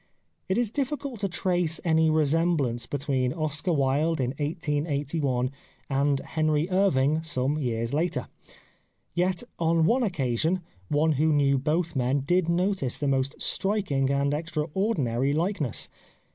It is difficult to trace any resemblance between Oscar Wilde in 1881 and Henry Irving some years later. Yet, on one occasion, one who knew both men did notice the most striking and ex traordinary likeness.